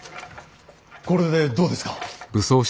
これでどうですか。